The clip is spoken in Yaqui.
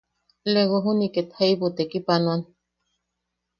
Lego juniʼi ket jaibu tekipanoan;.